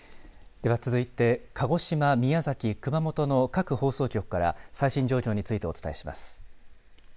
では続いて鹿児島、宮崎、熊本の各放送局から最新状況についてお伝えします。